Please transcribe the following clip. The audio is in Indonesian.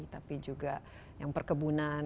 tapi juga yang perkebunan